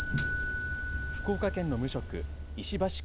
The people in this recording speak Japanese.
福岡県の無職、石橋